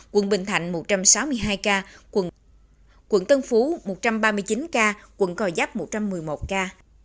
quận bình thạnh một trăm sáu mươi hai ca quận tân phú một trăm ba mươi chín ca quận cò giáp một trăm một mươi một ca